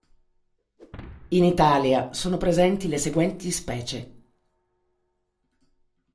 In Italia sono presenti le seguenti specie